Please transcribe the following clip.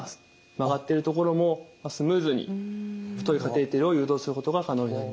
曲がってる所もスムーズに太いカテーテルを誘導することが可能になります。